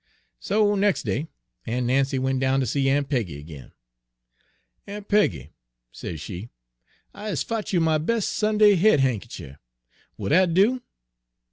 "So nex' day Aun' Nancy went down ter see Aun' Peggy ag'in. " 'Aun' Peggy,' sez she, 'I is fotch' you my bes' Sunday head hankercher. Will dat do?'